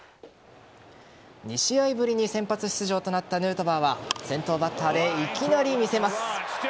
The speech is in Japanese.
２試合ぶりに先発出場となったヌートバーは先頭バッターでいきなり見せます。